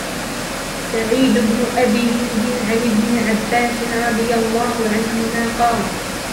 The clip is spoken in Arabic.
سَعِيدُ بْنُ أَبِي هِنْدٍ عَنْ ابْنِ عَبَّاسٍ رَضِيَ اللَّهُ عَنْهُمَا قَالَ